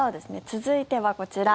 続いてはこちら。